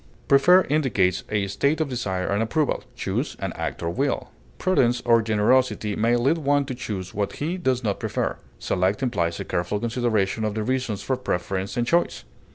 Prefer indicates a state of desire and approval; choose, an act of will. Prudence or generosity may lead one to choose what he does not prefer. Select implies a careful consideration of the reasons for preference and choice.